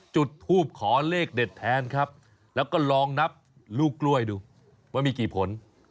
จุดทูบขอเลขเด็ดแทนครับแล้วก็ลองนับลูกกล้วยดูว่ามีกี่ผล